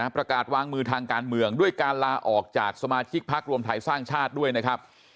ประกาศวางมือทางการเมืองด้วยการลาออกจากสมาชิกพักรวมไทยสร้างชาติด้วยนะครับ